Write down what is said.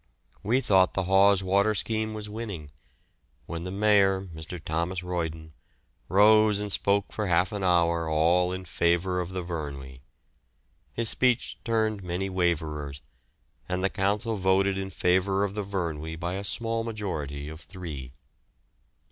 We thought the Hawes Water scheme was winning, when the Mayor, Mr. Thomas Royden, rose and spoke for half an hour all in favour of the Vyrnwy. His speech turned many waverers, and the Council voted in favour of the Vyrnwy by a small majority of three.